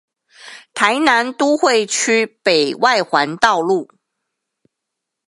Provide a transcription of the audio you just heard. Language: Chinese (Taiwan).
臺南都會區北外環道路